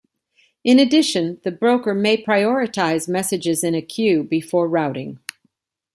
In addition, the broker may prioritize messages in a queue before routing.